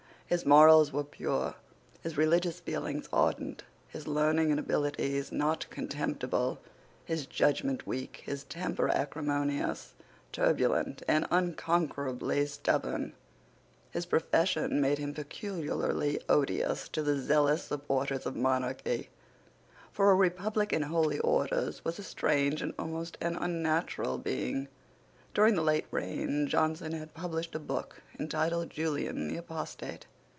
His morals were pure, his religious feelings ardent, his learning and abilities not contemptible, his judgment weak, his temper acrimonious, turbulent, and unconquerably stubborn. His profession made him peculiarly odious to the zealous supporters of monarchy; for a republican in holy orders was a strange and almost an unnatural being. During the late reign Johnson had published a book entitled Julian the Apostate.